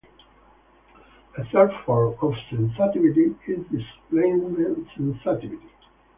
A third form of sensitivity is displacement sensitivity.